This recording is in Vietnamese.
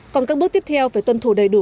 còn các bước tiếp theo phải tuân thủ đầy đủ